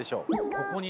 ここにね